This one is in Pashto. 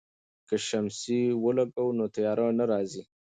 که شمسی ولګوو نو تیاره نه راځي.